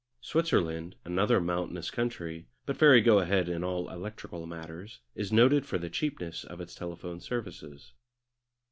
Switzerland, another mountainous country, but very go ahead in all electrical matters, is noted for the cheapness of its telephone services.